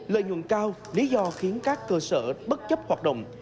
lợi nhuận cao lý do khiến các cơ sở bất chấp hoạt động